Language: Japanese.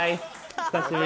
久しぶり。